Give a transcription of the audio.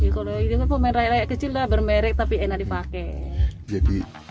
kalau ini kan pemain rakyat kecil lah bermerek tapi enak dipakai